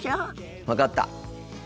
分かった。